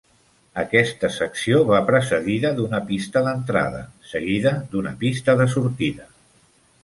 Aquesta secció va precedida d'una pista d'entrada, seguida d'una pista de sortida.